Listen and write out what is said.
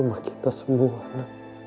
rumah kita semua anak